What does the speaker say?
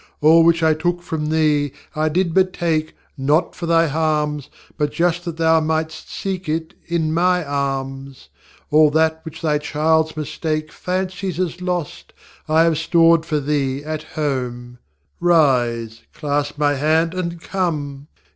All which I took from thee I did but take, Not for thy harms, But just that thou mightŌĆÖst seek it in My arms. All which thy childŌĆÖs mistake Fancies as lost, I have stored for thee at home: Rise, clasp My hand, and come!